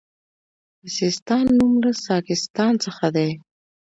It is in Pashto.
د سیستان نوم له ساکستان څخه دی